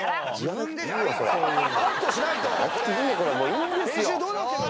いいんですよ。